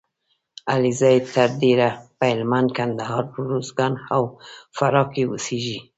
علیزي تر ډېره په هلمند ، کندهار . روزګان او فراه کې اوسېږي